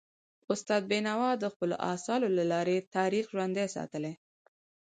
استاد بینوا د خپلو اثارو له لارې تاریخ ژوندی ساتلی.